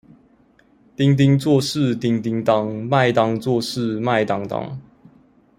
丁丁做事叮叮噹，麥當做事麥當當